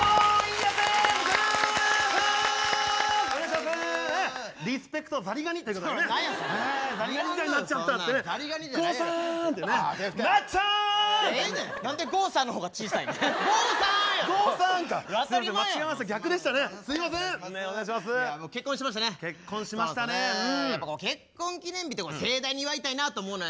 やっぱ結婚記念日とか盛大に祝いたいなと思うのよね。